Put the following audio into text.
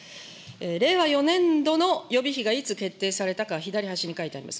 令和４年度の予備費がいつ決定されたか、左端に書いてあります。